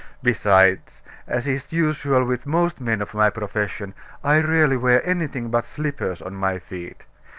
Besides, as is usual with most men of my profession, I rarely wear anything but slippers on my feet.